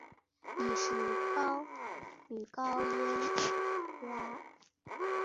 亦是女高音穆拉汶娜的侄儿。